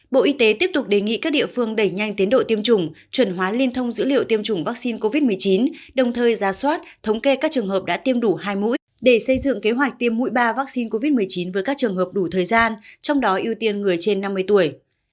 bộ y tế tiếp tục đề nghị các địa phương đẩy nhanh tiến độ tiêm chủng chuẩn hóa liên thông dữ liệu tiêm chủng vaccine covid một mươi chín đồng thời ra soát thống kê các trường hợp đã tiêm đủ hai mũi để xây dựng kế hoạch tiêm mũi ba vaccine covid một mươi chín với các trường hợp đủ thời gian trong đó ưu tiên người trên năm mươi tuổi